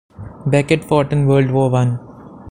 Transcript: Beckett fought in World War One.